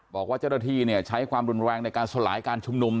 บอกว่าเจ้าหน้าที่ใช้ความรุนแรงในการสลายการชุมนุม